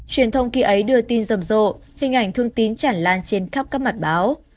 truyền thông khi ấy đưa tin rầm rộ hình ảnh thương tín chản lan trên khắp các mặt báo